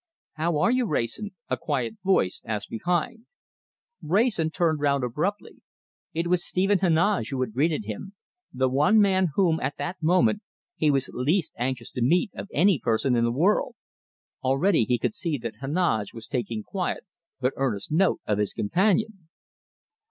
"How are you, Wrayson?" a quiet voice asked behind. Wrayson turned round abruptly. It was Stephen Heneage who had greeted him the one man whom, at that moment, he was least anxious to meet of any person in the world. Already he could see that Heneage was taking quiet but earnest note of his companion.